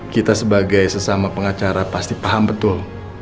kita sebagai sesama pengacara pasti paham betul